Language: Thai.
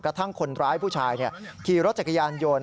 กระทั่งคนร้ายผู้ชายขี่รถจักรยานยนต์